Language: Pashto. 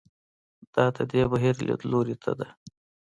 دا د دې بهیر لیدلوري ته ده.